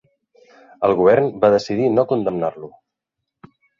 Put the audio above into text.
El govern va decidir no condemnar-lo.